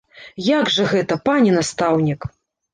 Як жа гэта, пане настаўнік?